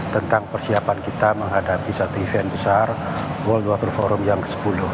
tentang persiapan kita menghadapi satu event besar world water forum yang ke sepuluh